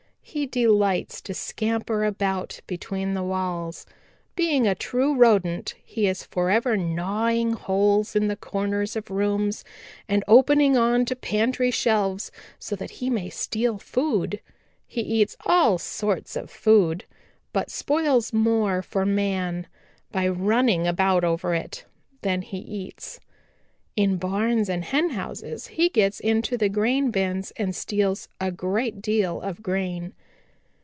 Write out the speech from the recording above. He delights to scamper about between the walls. Being a true Rodent he is forever gnawing holes in the corners of rooms and opening on to pantry shelves so that he may steal food. He eats all sorts of food, but spoils more for man, by running about over it, than he eats. In barns and henhouses he gets into the grain bins and steals a great deal of grain.